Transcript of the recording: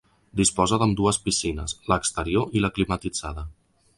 Disposa d'ambdues piscines, l'exterior i la climatitzada.